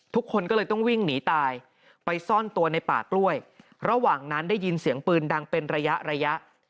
ทุกคนก็เลยต้องวิ่งหนีตายไปซ่อนตัวในป่ากล้วยระหว่างนั้นได้ยินเสียงปืนดังเป็นระยะระยะ